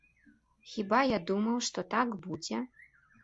Хіба я думаў, што так будзе?